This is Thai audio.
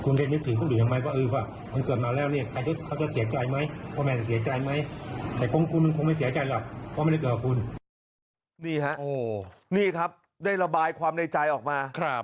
นี่ฮะนี่ครับได้ระบายความในใจออกมา